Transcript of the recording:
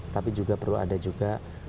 tapi juga perlu ada juga